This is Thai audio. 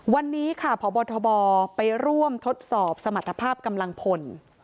วันนี้ค่ะพบทบไปร่วมทดสอบสมรรถภาพกำลังพล